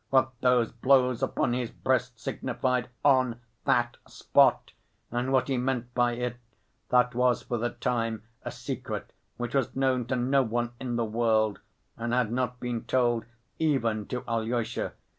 What those blows upon his breast signified, on that spot, and what he meant by it—that was, for the time, a secret which was known to no one in the world, and had not been told even to Alyosha.